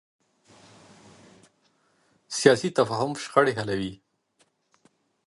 سیاسي تفاهم شخړې حلوي